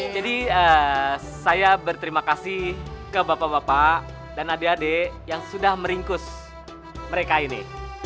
jadi saya berterima kasih ke bapak bapak dan adik adik yang sudah meringkus mereka ini